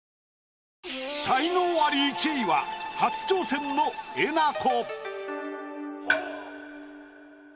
才能アリ１位は初挑戦のえなこ。